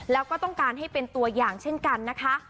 แล้วก็ต้องการให้เป็นตัวอย่างเช่นกันนะคะ